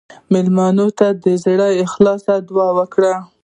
مېلمه ته د زړه له اخلاصه دعا وکړه.